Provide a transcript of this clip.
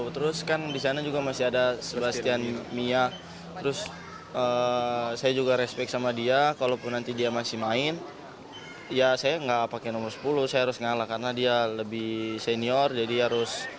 terus kan di sana juga masih ada sebastian mia terus saya juga respect sama dia kalaupun nanti dia masih main ya saya nggak pakai nomor sepuluh saya harus ngalah karena dia lebih senior jadi harus